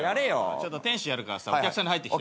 ちょっと店主やるからさお客さんで入ってきて。